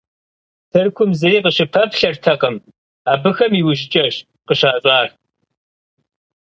Тыркум зыри къащыпэплъэртэкъым абыхэм – иужькӏэщ къыщащӏар.